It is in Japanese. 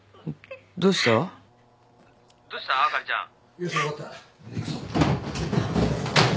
よし分かった行くぞ。